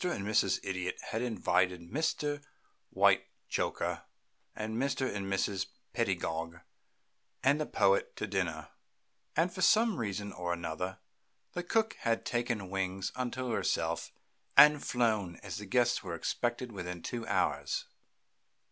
and Mrs. Idiot had invited Mr. Whitechoker and Mr. and Mrs. Pedagog and the Poet to dinner, and for some reason or another the cook had taken wings unto herself and flown, and the guests were expected within two hours.